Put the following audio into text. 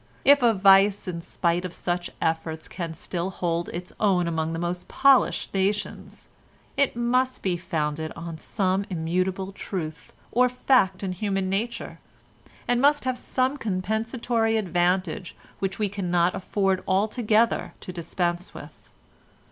If a vice in spite of such efforts can still hold its own among the most polished nations, it must be founded on some immutable truth or fact in human nature, and must have some compensatory advantage which we cannot afford altogether to dispense with."